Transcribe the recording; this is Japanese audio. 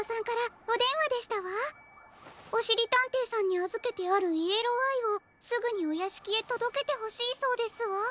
おしりたんていさんにあずけてあるイエローアイをすぐにおやしきへとどけてほしいそうですわ。